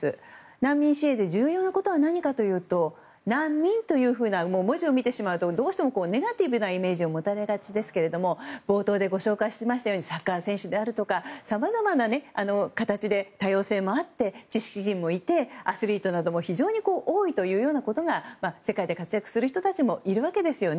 難民支援で重要なことは何かというと難民という文字を見てしまうとどうしてもネガティブなイメージを持たれがちですが冒頭でご紹介しましたようにサッカー選手であるとかさまざまな形で多様性もあって、知識人もいてアスリートなども非常に多いということが世界で活躍する人たちもいるわけですよね。